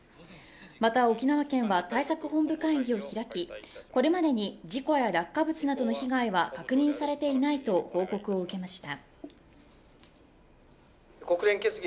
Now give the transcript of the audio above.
また沖縄県は対策本部会議を開き、これまでに事故や落下物などの被害は確認されていないと報告を受けました。